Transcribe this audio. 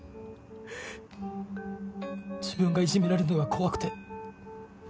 自分がいじめられるのが怖くて。